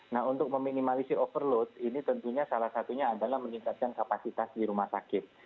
nah untuk meminimalisi overload ini tentunya salah satunya adalah meningkatkan kapasitas di rumah sakit